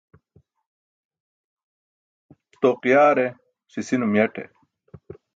Toq yare sisinum yaṭe